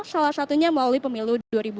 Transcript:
salah satunya melalui pemilu dua ribu dua puluh